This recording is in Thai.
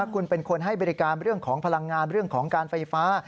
คุณเป็นคนให้บริการเรื่องของพลังงานเรื่องของการไฟฟ้า